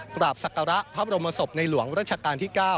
กราบศักระพระบรมศพในหลวงรัชกาลที่๙